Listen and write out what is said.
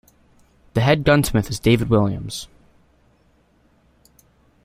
The head gunsmith is David Williams.